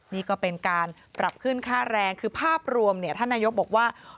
นี่ก็เป็นการปรับขึ้นค่าแรงคือภาพรวมท่านนายกบอกว่า